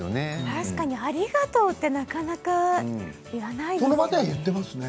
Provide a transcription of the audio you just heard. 確かにありがとうってなかなか言わないですね。